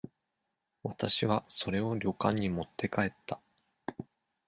私は、それを旅館に持って帰った。